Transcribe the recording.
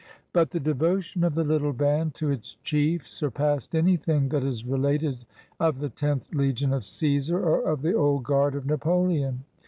But the devotion of the little band to its chief surpassed anything that is related of the Tenth Legion of Caesar or of the Old Guard of Napoleon.